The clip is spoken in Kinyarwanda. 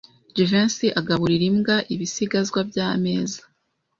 Jivency agaburira imbwa ibisigazwa byameza.